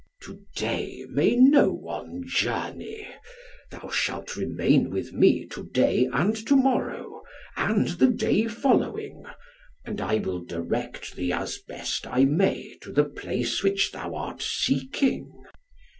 "To day may no one journey. Thou shalt remain with me to day and to morrow, and the day following, and I will direct thee as best I may to the place which thou art seeking."